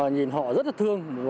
nhìn họ rất là thương